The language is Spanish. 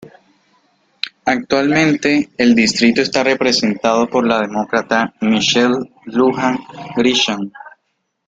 Actualmente el distrito está representado por la Demócrata Michelle Lujan Grisham.